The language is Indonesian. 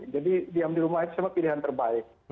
jadi diam di rumah itu pilihan terbaik